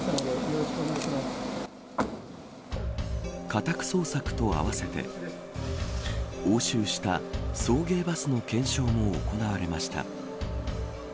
家宅捜索と合わせて押収した送迎バスの検証も行われました。